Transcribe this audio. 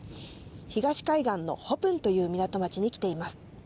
東海岸のホプンという港町に来ています。